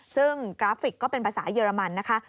ซึ่งกราฟิกก็เป็นภาษาเยอรมันนะคะ